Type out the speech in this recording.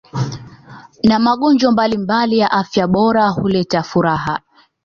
na magonjwa mbalimbali afya bora huleta furaha